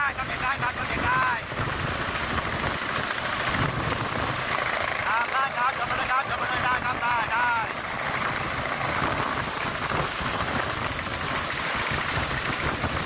นี่เจ้าหน้าที่ที่อยู่ด้านล่างนะครับก็ถ่ายคลิปเอาไว้นะครับ